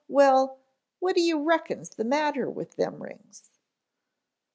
Well, what do you reckon's the matter with them rings?"